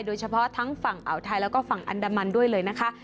โดยเฉพาะทั้งฝั่งอ่าวไทยแล้วก็ฝั่งอันดามันด้วยเลยนะคะ